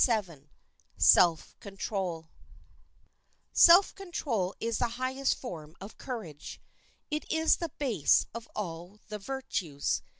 ] Self control is the highest form of courage. It is the base of all the virtues.